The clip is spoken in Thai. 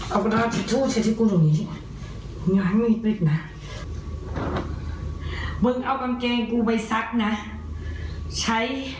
เอาตัวใช้ที่คุณตรงนี้งานไม่มีปริศนา